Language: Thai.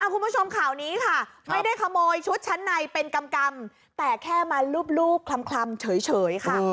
คุณผู้ชมข่าวนี้ค่ะไม่ได้ขโมยชุดชั้นในเป็นกำแต่แค่มาลูบคลำเฉยค่ะ